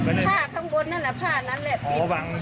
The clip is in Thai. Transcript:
เพิ่มถ้านั้นออกก็เป็นมันนอนหนึ่งตอนเจอผ้าเขาปิดมาครับ